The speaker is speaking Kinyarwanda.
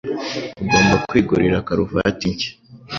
Ugomba kwigurira karuvati nshya.